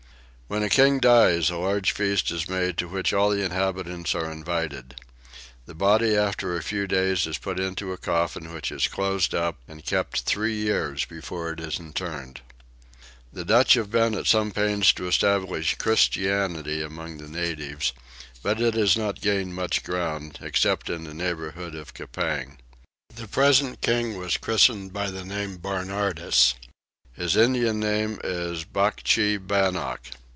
When a king dies a large feast is made to which all the inhabitants are invited. The body after a few days is put into a coffin which is closed up and kept three years before it is interred. The Dutch have been at some pains to establish Christianity among the natives: but it has not gained much ground, except in the neighbourhood of Coupang. The present king was christened by the name of Barnardus. His Indian name is Bachee Bannock.